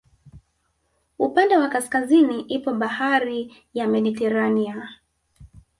Upande wa kaskazini ipo bahari ya Mediterania